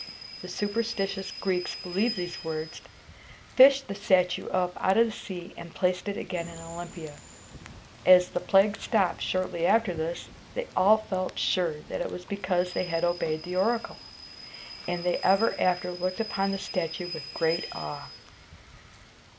The superstitious Greeks believed these words, fished the statue up out of the sea, and placed it again in Olympia. As the plague stopped shortly after this, they all felt sure that it was because they had obeyed the oracle, and they ever after looked upon the statue with great awe.